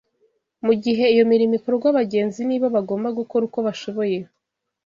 Mu gihe iyo mirimo ikorwa abagenzi nibo bagomba gukora uko bashoboye